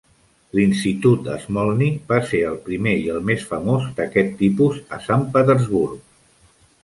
L'institut Smolny va ser el primer i el més famós d'aquest tipus a Sant Petersburg.